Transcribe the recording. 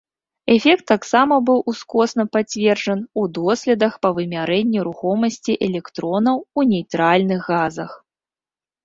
Эфект таксама быў ускосна пацверджан у доследах па вымярэнні рухомасці электронаў у нейтральных газах.